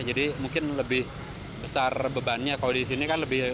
jadi mungkin lebih besar bebannya kalau di sini kan lebih baik